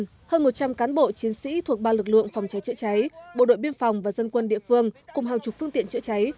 hơn một trăm linh cán bộ chiến sĩ thuộc ba lực lượng phòng cháy chữa cháy bộ đội biên phòng và dân quân địa phương cùng hàng chục phương tiện chữa cháy